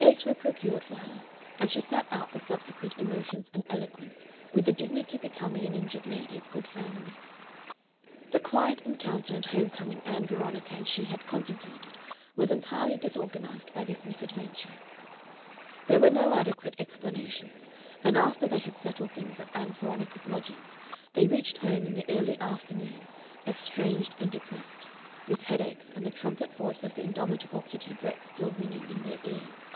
Eggs were procured for her, and she sat out the subsequent emotions and eloquence with the dignity becoming an injured lady of good family. The quiet encounter and home coming Ann Veronica and she had contemplated was entirely disorganized by this misadventure; there were no adequate explanations, and after they had settled things at Ann Veronica's lodgings, they reached home in the early afternoon estranged and depressed, with headaches and the trumpet voice of the indomitable Kitty Brett still ringing in their ears.